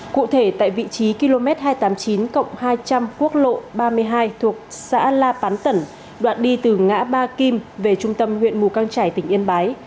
cụ thể tại vị trí km hai trăm tám mươi chín hai trăm linh quốc lộ ba mươi hai thuộc xã la pán tẩn đoạn đi từ ngã ba kim về trung tâm huyện mù căng trải tỉnh yên bái